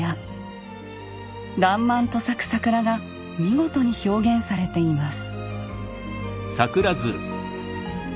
らんまんと咲く桜が見事に表現されています。